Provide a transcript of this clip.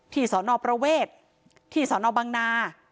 สอนอประเวทที่สนบังนา